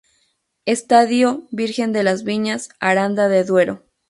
Estadio Virgen de las Viñas, Aranda de Duero.